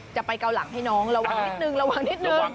เกาหลังให้น้องระวังนิดนึงระวังนิดนึง